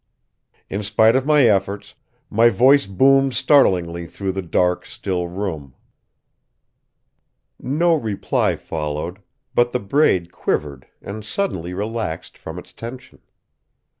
In spite of my efforts, my voice boomed startlingly through the dark, still room. No reply followed, but the braid quivered and suddenly relaxed from its tension.